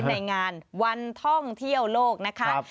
ในงานวันท่องเที่ยวโลกนะคะ